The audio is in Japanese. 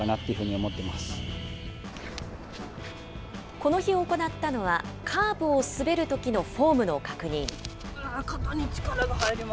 この日、行ったのは、カーブを滑るときのフォームの確認。